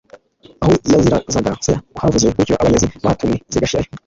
Aho yazirazaga se uhavuze utyo, Abanyazi bahatumwe zigashirayo,